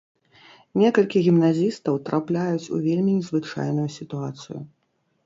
Некалькі гімназістаў трапляюць у вельмі незвычайную сітуацыю.